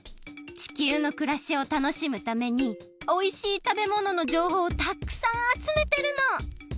地球のくらしを楽しむためにおいしいたべもののじょうほうをたくさんあつめてるの！